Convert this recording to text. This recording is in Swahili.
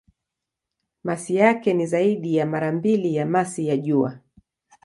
Masi yake ni zaidi ya mara mbili ya masi ya Jua.